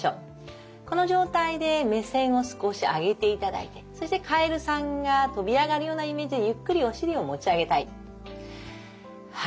この状態で目線を少し上げていただいてそしてカエルさんが跳び上がるようなイメージでゆっくりお尻を持ち上げたい。